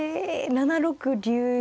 ７六竜に。